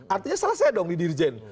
artinya selesai dong di dirjen